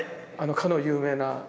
かの有名な。